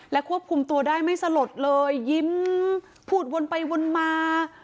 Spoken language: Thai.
ควบคุมตัวได้ไม่สลดเลยยิ้มพูดวนไปวนมา